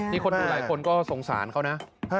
นี่คนดูหลายคนก็สงสารเขานะ